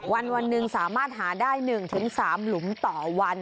วันหนึ่งสามารถหาได้๑๓หลุมต่อวัน